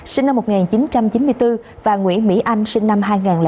sinh năm một nghìn chín trăm chín mươi bốn và nguyễn mỹ anh sinh năm hai nghìn chín